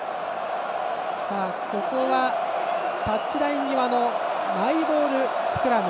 ここはタッチライン際での南アフリカ、マイボールスクラム。